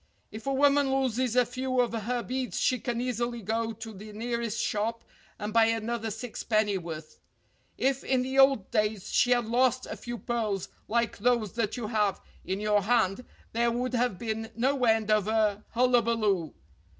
If a woman loses a few of her beads she can easily go to the nearest shop and buy another sixpenny worth. If in the old days she had lost a few pearls like those that you have in your hand there would have been no end of a hullabaloo.